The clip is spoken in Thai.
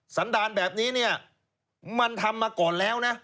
สันดารย์แบบนี้มันทำมาก่อนแล้วนะ